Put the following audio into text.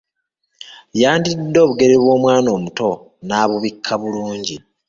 Yandiddidde obugere bw’omwana omuto n'abubikka bulungi.